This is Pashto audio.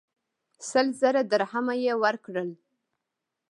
سل زره درهمه یې ورکړل.